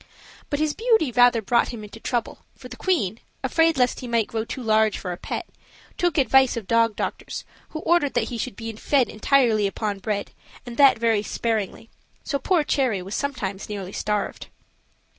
But his beauty rather brought him into trouble, for the queen, afraid lest he might grow too large for a pet, took advice of dog doctors, who ordered that he should be fed entirely upon bread, and that very sparingly; so poor Cherry was sometimes nearly starved.